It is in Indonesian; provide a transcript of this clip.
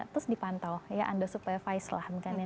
terus dipantau ya under supervised lah